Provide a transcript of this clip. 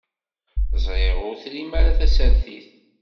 Ẓriɣ ur trim ara tasertit.